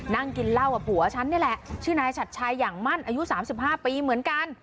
นั่งกินเหล้ากับผัวฉันนี่แหละชื่อนายฉัดชัยอย่างมั่นอายุ๓๕ปีเหมือนกัน